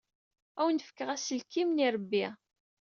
Ad awen-fkeɣ aselkim n yirebbi.